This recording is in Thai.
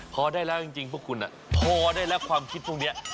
พอได้แล้วจริงพวกคุณพอได้แล้วความคิดพวกนี้